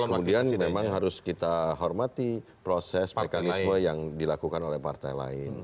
kemudian memang harus kita hormati proses mekanisme yang dilakukan oleh partai lain